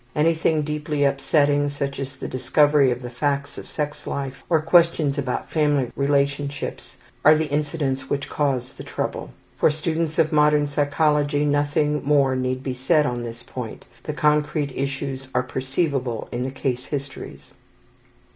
Anything deeply upsetting, such as the discovery of the facts of sex life or questions about family relationships, are the incidents which cause the trouble. For students of modern psychology nothing more need be said on this point the concrete issues are perceivable in the case histories.